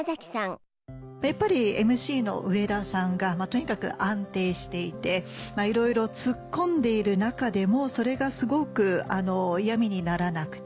やっぱりＭＣの上田さんがとにかく安定していていろいろツッコんでいる中でもそれがすごく嫌みにならなくて。